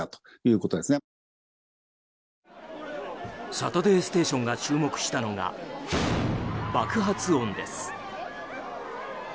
「サタデーステーション」が注目したのが、爆発音です。